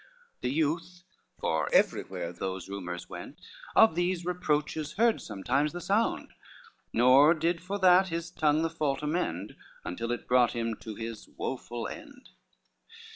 The youth, for everywhere those rumors went, Of these reproaches heard sometimes the sound; Nor did for that his tongue the fault amend, Until it brought him to his woful end.